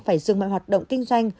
phải dừng mọi hoạt động kinh doanh